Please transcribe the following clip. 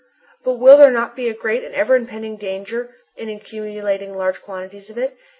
"But will there not be a great and ever impending danger in accumulating large quantities of it?